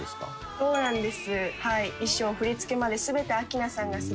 そうなんです。